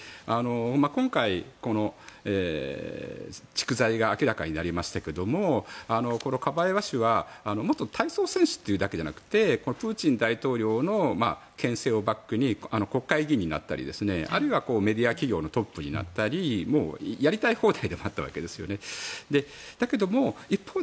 今回、この蓄財が明らかになりましたけどもこのカバエワ氏は元体操選手というだけじゃなくてプーチン大統領の権勢をバックに国会議員になったり、あるいはメディア企業のトップになったりやりたい放題でもあったわけですね。